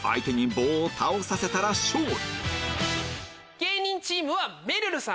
芸人チームはめるるさん